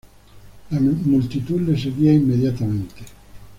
La multitud les seguía inmediatamente.